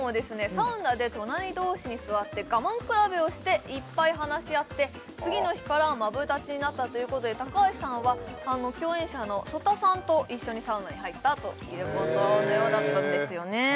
サウナで隣同士に座って我慢比べをしていっぱい話し合って次の日からマブダチになったということで高橋さんは共演者の曽田さんと一緒にサウナに入ったということのようだったんですよね